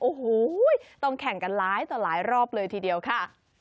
โอ้โหต้องแข่งกันหลายต่อหลายรอบเลยทีเดียวค่ะ